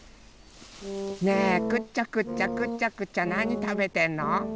ねえくちゃくちゃくちゃくちゃなにたべてんの？